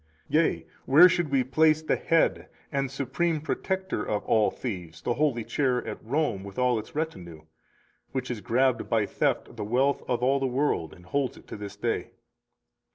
Yea, where should we place the head and supreme protector of all thieves, the Holy Chair at Rome with all its retinue, which has grabbed by theft the wealth of all the world, and holds it to this day?